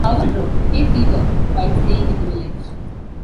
Coward wrote "Hay Fever" while staying in the village.